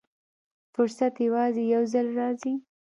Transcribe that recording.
فرصت یوازې یو ځل راځي.